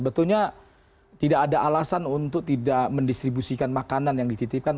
sebetulnya tidak ada alasan untuk tidak mendistribusikan makanan yang dititipkan